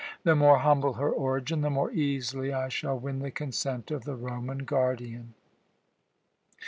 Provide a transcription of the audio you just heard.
The more humble her origin, the more easily I shall win the consent of the Roman guardian."